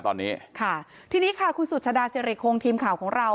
ตอนนี้ค่ะทีนี้ค่ะคุณสุชาดาสิริคงทีมข่าวของเรา